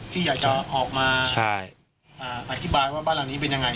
ที่อยากจะออกมาอธิบายว่าบ้านหลังนี้เป็นยังไง